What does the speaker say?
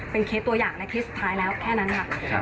เป็นเคสตัวอย่างและเคสสุดท้ายแล้วแค่นั้นค่ะ